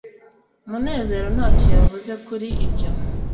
munezero ntacyo yavuze kuri ibyo